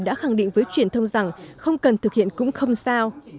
đã khẳng định với truyền thông rằng không cần thực hiện cũng không sao